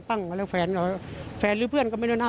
แล้วแฟนหรือเพื่อนก็ไม่รู้นะ